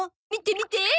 見て見て！